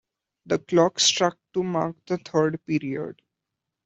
The clock struck to mark the third period.